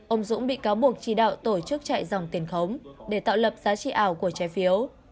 ông dũng bị cáo buộc chỉ đạo tổ chức chạy dòng tiền khống để tạo lập giá trị ảo của trái phiếu